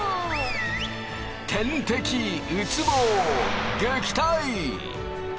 天敵ウツボを撃退！